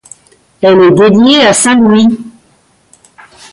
Elle est dédiée à saint Louis.